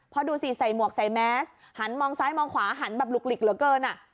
พอดูสิใส่หมวกใส่แมสหันมองซ้ายมองขวาหันแบบหลุกหลิกเหลือเกิน